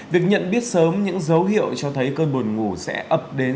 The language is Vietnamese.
việc nhận biết sớm những dấu hiệu cho thấy cơn buồn ngủ sẽ ập đến